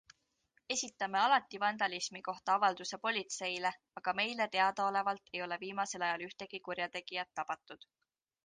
Esitame alati vandalismi kohta avalduse politseile, aga meile teadaolevalt ei ole viimasel ajal ühtegi kurjategijat tabatud.